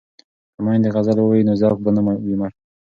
که میندې غزل ووايي نو ذوق به نه وي مړ.